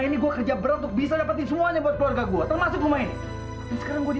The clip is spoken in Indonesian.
ini gua kerja berat untuk bisa dapetin semuanya buat keluarga gua termasuk main sekarang gua di